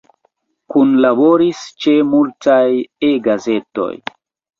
Kunlaboris ĉe multaj E-gazetoj.